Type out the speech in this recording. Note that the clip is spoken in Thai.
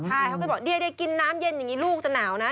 ใช่เขาก็บอกเดี๋ยวกินน้ำเย็นอย่างนี้ลูกจะหนาวนะ